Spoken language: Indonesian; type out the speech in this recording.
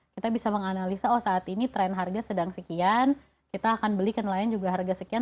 kita bisa menganalisa oh saat ini tren harga sedang sekian kita akan beli ke nelayan juga harga sekian